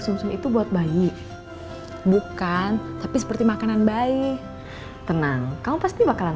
sum sum itu buat bayi bukan tapi seperti makanan bayi tenang kamu pasti bakalan